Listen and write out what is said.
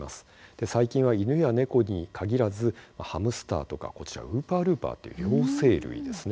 最近は犬や猫に限らずハムスターとかこちらはウーパールーパーという両生類ですね